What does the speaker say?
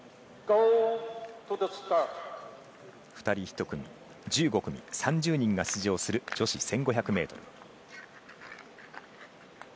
２人１組、１５組３０人が出場する女子１５００ｍ。